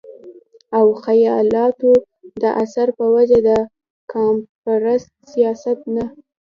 او خياالتو د اثر پۀ وجه د قامپرست سياست نه